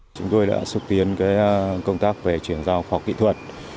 chúng tôi đã xúc tiến công tác chuyển giao kho kỹ thuật